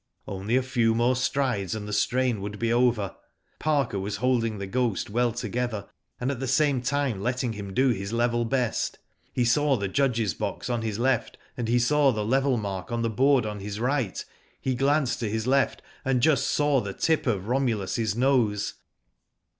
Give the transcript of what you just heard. Only a few more strides and the strain would be over. Parker was holding The Ghost well together, and at the same time letting him do his level best. He saw the judge's box on his left, and he saw the level mark on the board on his right. He glanced to his left and just saw the tip of Romulus's nose.